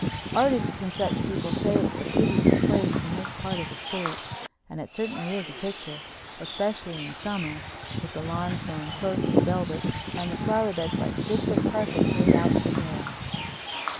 Artists and such people say it's the prettiest place in this part of the State, and it certainly is a picture, especially in summer, with the lawns mown close as velvet and the flower beds like bits of carpet laid out to air.